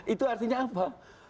itu artinya apa